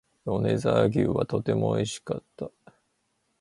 米沢牛はとても美味しかった